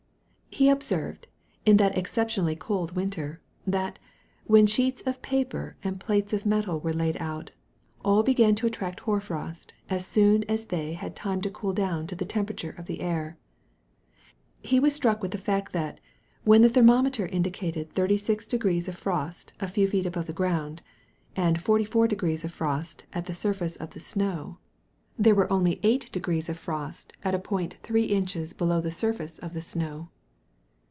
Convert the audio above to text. He observed, in that exceptionally cold winter, that, when sheets of paper and plates of metal were laid out, all began to attract hoar frost as soon as they had time to cool down to the temperature of the air. He was struck with the fact that, while the thermometer indicated 36 degrees of frost a few feet above the ground and 44 degrees of frost at the surface of the snow, there were only 8 degrees of frost at a point 3 inches below the surface of the snow.